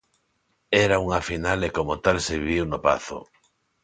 Era unha final e como tal se viviu no Pazo.